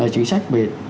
chính sách về